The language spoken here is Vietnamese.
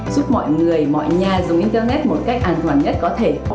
giúp mọi người mọi nhà dùng internet một cách an toàn nhất có thể